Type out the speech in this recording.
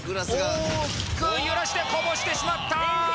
大きく揺らしてこぼしてしまった！